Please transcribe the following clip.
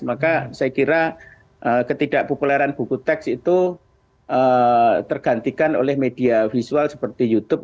maka saya kira ketidakpupuleran buku teks itu tergantikan oleh media visual seperti youtube